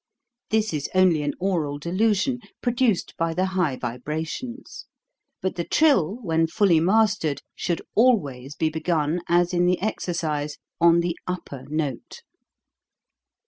This is only an aural delusion, produced by the high vi brations. But the trill, when fully mastered, should always be begun, as in the exercise, on the upper note.